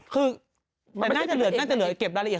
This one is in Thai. คือน่าจะเหลือเก็บรายละเอียด